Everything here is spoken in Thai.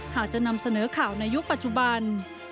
หากจะนำเสนอข่าวในยุคปัจจุบัน